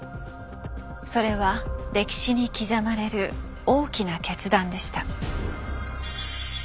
それは歴史に刻まれる大きな決断でした。